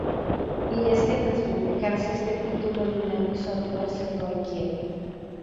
Y es que tras publicarse este título, Dinamic Software cerró en quiebra.